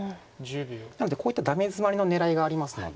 なのでこういったダメヅマリの狙いがありますので。